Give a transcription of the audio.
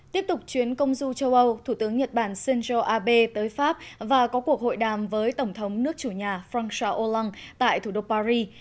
tiếp tục chuyến công du châu âu thủ tướng nhật bản shinzo abe tới pháp và có cuộc hội đàm với tổng thống nước chủ nhà frant sào olan tại thủ đô paris